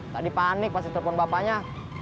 tadi panik pas dia terpon bapaknya